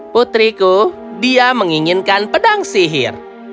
putriku dia menginginkan pedang sihir